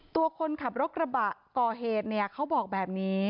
ตัวคนขับรถกระบะก่อเหตุเนี่ยเขาบอกแบบนี้